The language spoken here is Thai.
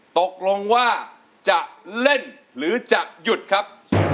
ตกลงว่าจะเล่นหรือจะหยุดครับ